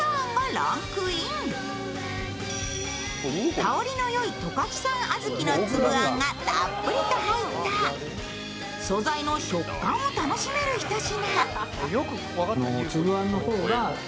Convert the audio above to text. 香りのよい十勝産小豆の粒あんがたっぷりと入った素材の食感を楽しめる一品。